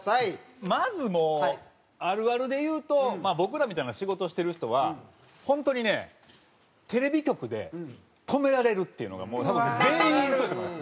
まずもうあるあるで言うと僕らみたいな仕事してる人は本当にねテレビ局で止められるっていうのが多分全員そうやと思います